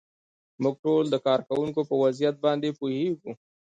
موږ ټول د کارکوونکو په وضعیت باندې پوهیږو.